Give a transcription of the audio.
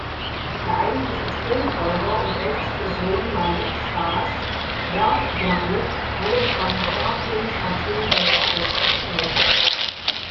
Der eigentliche Thronfolger und älteste Sohn Malik-Schahs, Berk-Yaruq, wurde von Terken-Chatun unter Arrest gestellt.